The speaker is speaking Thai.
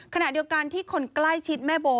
ขณะเดียวกันที่คนใกล้ชิดแม่โบ